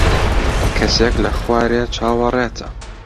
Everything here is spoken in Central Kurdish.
کەسێک لە خوارێ چاوەڕێتە.